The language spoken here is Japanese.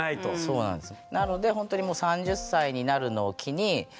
そうなんですよ。